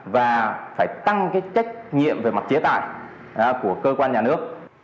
và phải tăng cái trách nhiệm về mặt chế tài của cơ quan nhà nước